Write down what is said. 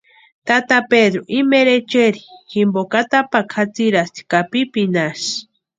Tata Pedru imaeri echeri jimpo atapakwa jatsirasti ka pipinasï.